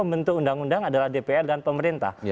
pembentuk undang undang adalah dpr dan pemerintah